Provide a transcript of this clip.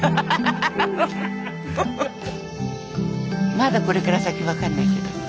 まだこれから先分かんないけど。